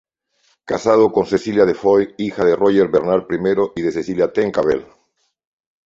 Casado con Cecilia de Foix, hija de Roger-Bernard I y de Cecilia Trencavel.